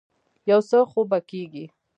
يو څه خو به کېږي.